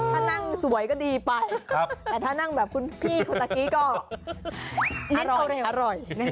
ถ้านั่งสวยก็ดีไปแต่ถ้านั่งแบบคุณพี่คนตะกี้ก็อร่อย